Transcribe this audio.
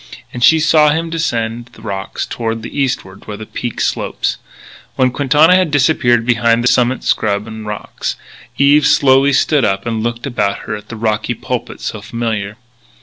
And she saw him descend the rocks to the eastward, where the peak slopes. When Quintana had disappeared behind the summit scrub and rocks, Eve slowly stood up and looked about her at the rocky pulpit so familiar.